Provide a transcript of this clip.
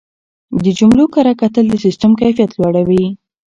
د جملو کره کتل د سیسټم کیفیت لوړوي.